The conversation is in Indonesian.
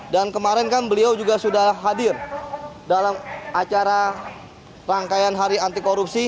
dan kemarin kan beliau juga sudah hadir dalam acara rangkaian hari anti korupsi